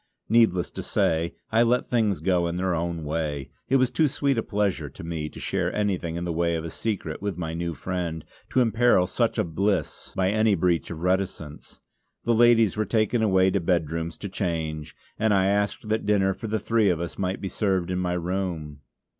Needless to say, I let things go in their own way; it was too sweet a pleasure to me to share anything in the way of a secret with my new friend, to imperil such a bliss by any breach of reticence. The ladies were taken away to bedrooms to change, and I asked that dinner for the three of us might be served in my room.